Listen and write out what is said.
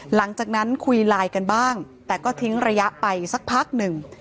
หลังจากนั้นคุยไลน์กันบ้างแต่ก็ทิ้งระยะไปสักพักหนึ่ง